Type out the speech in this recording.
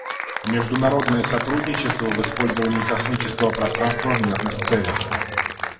Международное сотрудничество в использовании космического пространства в мирных целях.